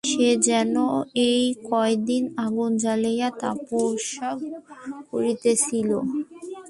সে যেন এই কয়দিন আগুন জ্বালিয়া তপস্যা করিতেছিল।